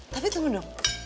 tapi tunggu dong